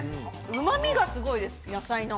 うまみがすごいです、野菜の。